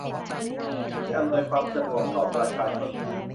ที่อำนวยความสะดวกต่อประชาชน